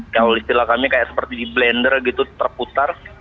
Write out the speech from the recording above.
kalau istilah kami kayak seperti di blender gitu terputar